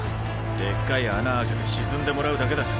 でっかい穴開けて沈んでもらうだけだ。